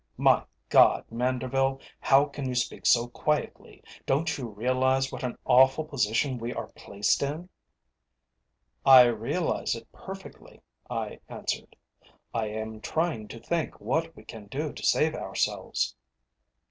"My God! Manderville, how can you speak so quietly. Don't you realise what an awful position we are placed in?" "I realize it perfectly," I answered. "I am trying to think what we can do to save ourselves."